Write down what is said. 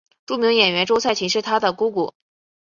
著名演员周采芹是她的姑姑。